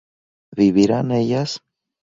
¿vivirán ellas?